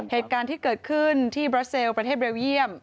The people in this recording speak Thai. เหตุการณ์ที่เกิดขึ้นที่บราเซลประเทศเบลเยี่ยม